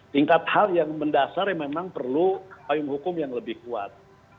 tingkat hal yang mendasar yang memang perlu payung hukum yang lebih kuat